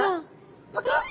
パカッ！